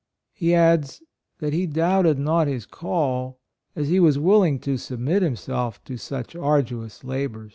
Ho adds that he doubted not his call, as he was willing to submit himself to such arduous labors."